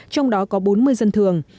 trong đó có bốn mươi dân thường